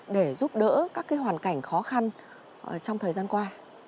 để giúp đỡ các hoàn cảnh khó khăn trong thời gian qua